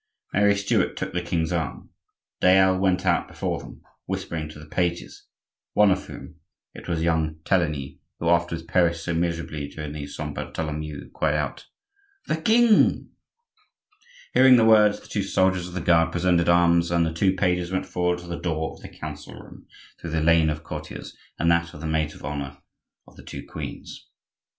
Mary Stuart took the king's arm. Dayelle went out before them, whispering to the pages; one of whom (it was young Teligny, who afterwards perished so miserably during the Saint Bartholomew) cried out:— "The king!" Hearing the words, the two soldiers of the guard presented arms, and the two pages went forward to the door of the Council room through the lane of courtiers and that of the maids of honor of the two queens.